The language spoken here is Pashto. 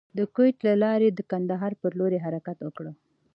د کوټې له لارې د کندهار پر لور حرکت وکړ.